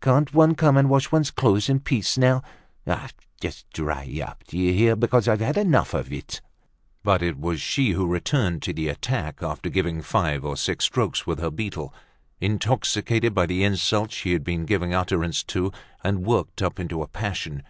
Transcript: Can't one come and wash one's clothes in peace now? Just dry up, d'ye hear, because I've had enough of it!" But it was she who returned to the attack, after giving five or six strokes with her beetle, intoxicated by the insults she had been giving utterance to, and worked up into a passion.